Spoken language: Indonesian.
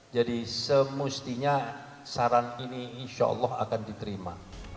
jadi semestinya saran ini insyaallah akan diterima